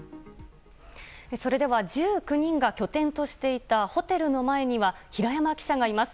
それでは１９人が拠点としていたホテルの前には平山記者がいます。